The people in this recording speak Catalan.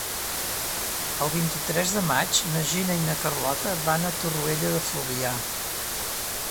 El vint-i-tres de maig na Gina i na Carlota van a Torroella de Fluvià.